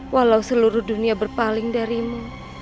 walau seluruh dunia berpaling darimu